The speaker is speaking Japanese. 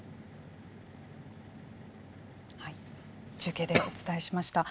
中継でお伝えしました。